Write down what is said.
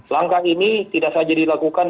langkah ini tidak saja dilakukan